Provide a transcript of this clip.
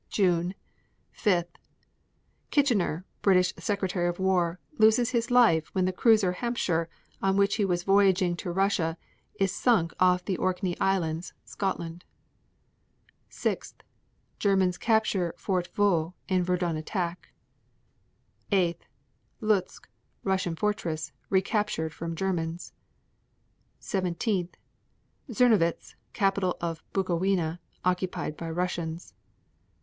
June 5. Kitchener, British Secretary of War, loses his life when the cruiser Hampshire, on which he was voyaging to Russia, is sunk off the Orkney Islands, Scotland. 6. Germans capture Fort Vaux in Verdun attack. 8. Lutsk, Russian fortress, recaptured from Germans. 17. Czernowitz, capital of Bukowina, occupied by Russians.